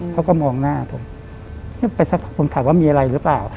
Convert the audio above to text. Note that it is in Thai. เขาก็มองหน้าผมไปสักผมถามว่ามีอะไรหรือเปล่า